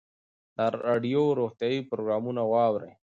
د راډیو روغتیایي پروګرامونه واورئ.